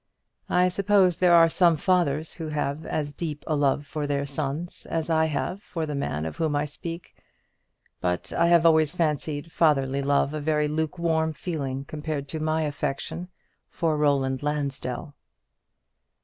I suppose there are some fathers who have as deep a love for their sons as I have for the man of whom I speak; but I have always fancied fatherly love a very lukewarm feeling compared with my affection for Roland Lansdell."